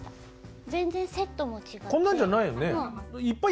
全然セットも違って。